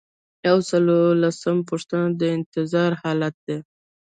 یو سل او لسمه پوښتنه د انتظار حالت دی.